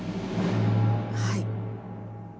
はい。